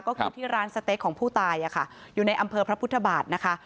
ก็คือที่ร้านสเต๊กของผู้ตายอยู่ในอำเภอพระพุทธบาทนะคะ